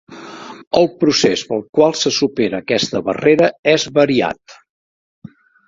El procés pel qual se supera aquesta barrera és variat.